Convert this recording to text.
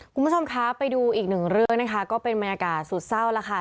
คุณผู้ชมคะไปดูอีกหนึ่งเรื่องนะคะก็เป็นบรรยากาศสุดเศร้าแล้วค่ะ